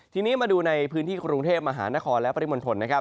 ทีนี้มาดูในพื้นที่กรุงเทพมหานครและปริมณฑลนะครับ